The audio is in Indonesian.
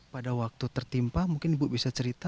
pada waktu tertimpa mungkin ibu bisa cerita